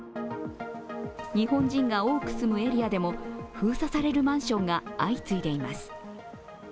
日本人が多く住むエリアでも、封鎖されるマンションが相次いでいます。